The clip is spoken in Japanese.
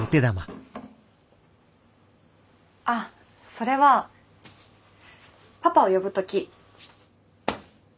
あっそれはパパを呼ぶ時こうやって。